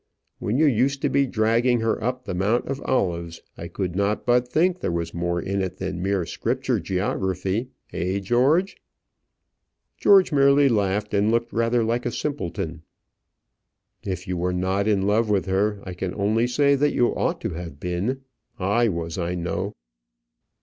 When you used to be dragging her up the Mount of Olives, I could not but think there was more in it than mere scripture geography eh, George?" George merely laughed, and looked rather like a simpleton. "If you were not in love with her, I can only say that you ought to have been. I was, I know."